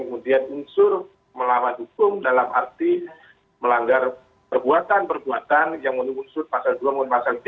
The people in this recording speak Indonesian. kemudian unsur melawan hukum dalam arti melanggar perbuatan perbuatan yang memenuhi unsur pasal dua maupun pasal tiga